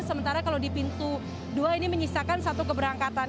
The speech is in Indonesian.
sementara kalau di pintu dua ini menyisakan satu keberangkatan